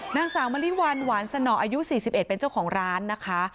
นางสาวมริวัลหวานสนออายุ๔๑เป็นเจ้าของร้านนะคะ